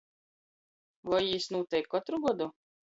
Voi jis nūteik kotru godu?